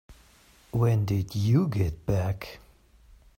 When did you get back?